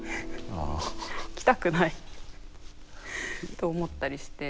着たくないと思ったりして。